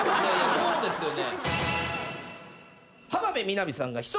そうですよね。